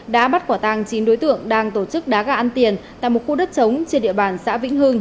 đã bắt quả tàng chín đối tượng đang tổ chức đá gà ăn tiền tại một khu đất trống trên địa bàn xã vĩnh hưng